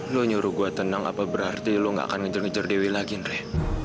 lo nyuruh gue tenang apa berarti lo gak akan ngejar ngejar dewi lagi ndre